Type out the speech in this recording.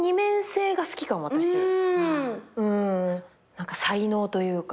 何か才能というか。